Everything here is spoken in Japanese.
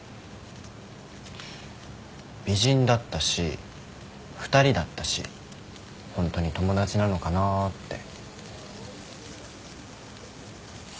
美人だったし２人だったしホントに友達なのかなぁって。